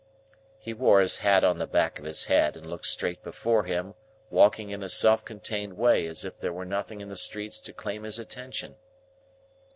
He wore his hat on the back of his head, and looked straight before him: walking in a self contained way as if there were nothing in the streets to claim his attention.